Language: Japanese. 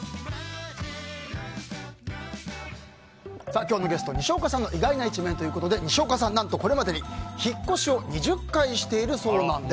今日のゲスト、西岡さんの意外な一面ということで西岡さん、何とこれまでに引っ越しを２０回しているそうなんです。